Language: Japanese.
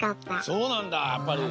そうなんだやっぱり。